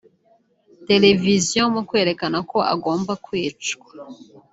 televiziyo mu kwerekana ko agomba kwicwa